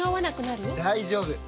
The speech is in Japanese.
大丈夫！